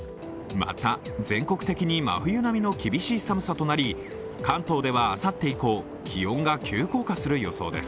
また全国的に真冬並みの厳しい寒さとなり関東ではあさって以降、気温が急降下する予想です。